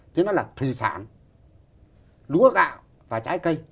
thế đó là thủy sản lúa gạo và trái cây